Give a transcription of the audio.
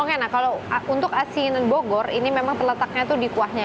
oke nah kalau untuk asinan bogor ini memang terletaknya itu di kuahnya